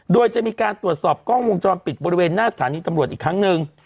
โดยจะมีการตรวจสอบกล้องวงจรปิดบริเวณหน้าสถานีตำรวจอีกครั้งหนึ่ง